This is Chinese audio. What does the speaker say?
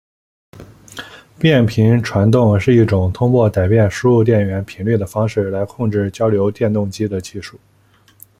变频传动是一种通过改变输入电源频率的方式来控制交流电动机的技术。